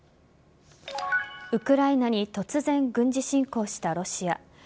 ウクライナに突然、軍事侵攻したロシア。